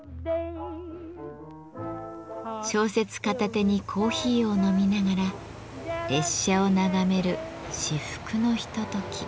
小説片手にコーヒーを飲みながら列車を眺める至福のひととき。